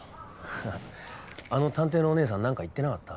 ははっあの探偵のおねえさん何か言ってなかった？